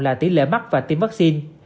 là tỷ lệ mắc và tiêm vaccine